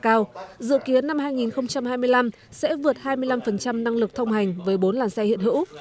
cao dự kiến năm hai nghìn hai mươi năm sẽ vượt hai mươi năm năng lực thông hành với bốn làn xe hiện hữu